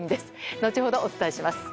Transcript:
後ほど、お伝えします。